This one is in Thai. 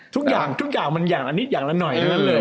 ทุกอย่างมันอย่างนั้นหน่อย